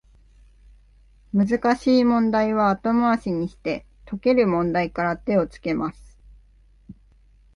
難しい問題は後回しにして、解ける問題から手をつけます